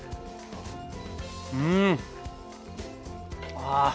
うん！わあ。